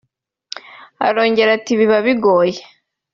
Arongera ati “Biba bigoye